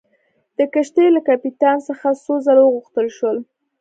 د کښتۍ له کپټان څخه څو ځله وغوښتل شول.